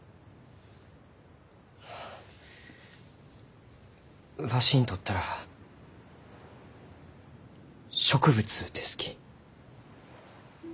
あわしにとったら植物ですき。